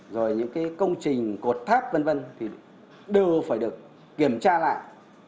rồi những công trình cột tháp v v đều phải được kiểm tra lại